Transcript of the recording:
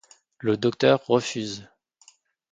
Le Docteur refuse.